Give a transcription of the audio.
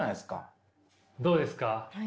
どうですか？